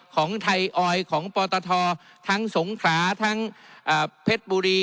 ของไทยออยของปตททั้งสงขราทั้งเพชรบุรี